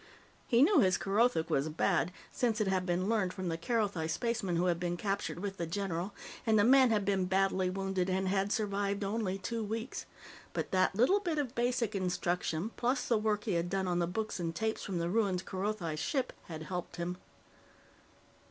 He knew his Kerothic was bad, since it had been learned from the Kerothi spaceman who had been captured with the general, and the man had been badly wounded and had survived only two weeks. But that little bit of basic instruction, plus the work he had done on the books and tapes from the ruined Kerothi ship, had helped him.